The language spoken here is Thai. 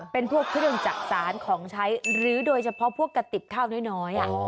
เป็นพวกเครื่องจักษานของใช้หรือโดยเฉพาะพวกกระติบข้าวน้อย